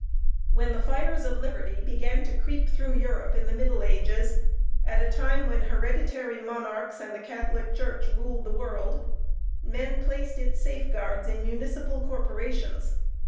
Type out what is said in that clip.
When the fires of liberty began to creep through Europe in the middle ages, at a time when hereditary monarchs and the catholic church ruled the world, men placed its safeguards in municipal corporations.